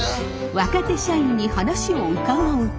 若手社員に話を伺うと。